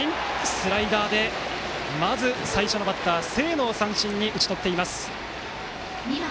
スライダーでまず最初のバッター清野を打ち取っています。